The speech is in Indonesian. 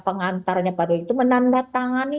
pengantarnya pada itu menandatangani